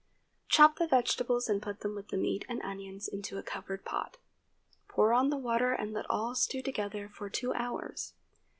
Chop the vegetables and put them with the meat and onions into a covered pot. Pour on the water and let all stew together for two hours.